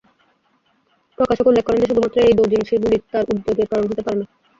প্রকাশক উল্লেখ করেন যে শুধুমাত্র এই "দৌজিনশি"গুলি তার উদ্বেগের কারন হতে পারে না।